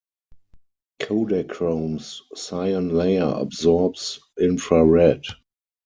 Kodachrome's cyan layer absorbs infrared.